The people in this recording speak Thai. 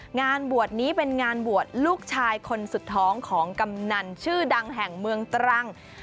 งานบวชนี้เป็นงานบวชลูกชายคนสุดท้องของกำนันชื่อดังแห่งเมืองตรัง